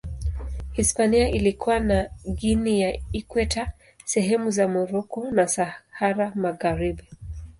Hispania ilikuwa na Guinea ya Ikweta, sehemu za Moroko na Sahara Magharibi.